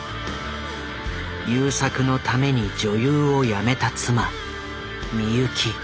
優作のために女優をやめた妻美由紀。